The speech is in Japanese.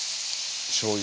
しょうゆ。